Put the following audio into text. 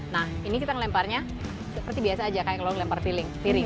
nah ini kita melemparnya seperti biasa aja kayak lo melempar piring